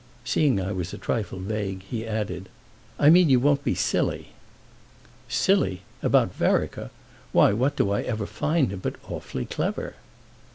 Seeing I was a trifle vague he added: "I mean you won't be silly." "Silly—about Vereker! Why what do I ever find him but awfully clever?"